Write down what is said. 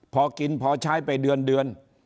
พอกินพอใช้ไปเดือน